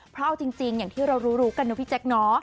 เพราะเอาจริงอย่างที่เรารู้กันนะพี่แจ๊คเนอะ